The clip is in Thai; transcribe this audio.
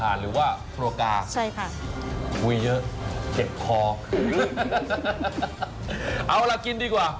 ตับห่านหรือว่าฮัวกาค่ะคุยเยอะเก็บคอฮ่าค่ะเอาล่ะกินดีกว่า